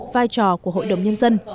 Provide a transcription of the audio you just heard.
vai trò của hội đồng nhân dân